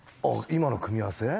今の組み合わせ？